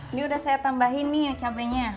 ini udah saya tambahin nih cabainya